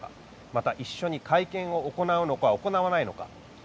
また、一緒に会見を行うのか行わないのか。